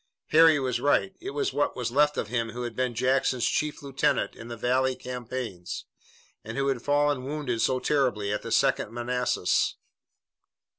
Harry was right. It was what was left of him who had been Jackson's chief lieutenant in the Valley campaigns and who had fallen wounded so terribly at the Second Manassas.